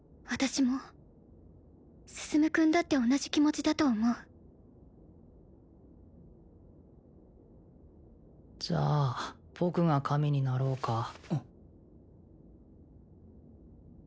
私も向君だって同じ気持ちだと思うじゃあ僕が神になろうか？